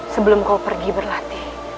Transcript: sebelum kau pergi berlatih